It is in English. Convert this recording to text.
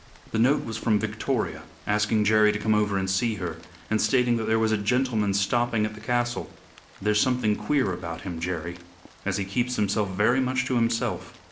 The note was from Victoria asking Jerry to come over and see her, and stating that there was a gentleman stopping at the castle. "There's something queer about him, Jerry, as he keeps himself very much to himself.